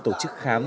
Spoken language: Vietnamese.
tổ chức khám